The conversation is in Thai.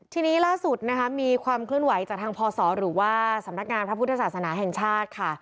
ทีนี้ล่าสุดนะคะมีความเคลื่อนไหวจากทางพศหรือว่าสำนักงานพระพุทธศาสนาแห่งชาติค่ะ